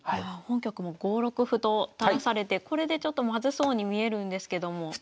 本局も５六歩と垂らされてこれでちょっとまずそうに見えるんですけども。